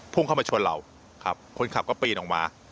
พุ่งเข้ามาชนเราครับคนขับก็ปีนออกมา